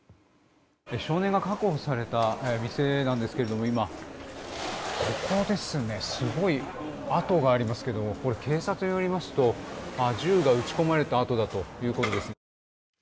少年が確保された店なんですけどすごい痕がありますけど警察によりますと銃が撃ち込まれた痕だということです。